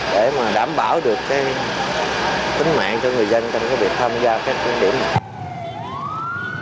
để mà đảm bảo được cái tính mạng cho người dân trong cái việc tham gia các trung điểm này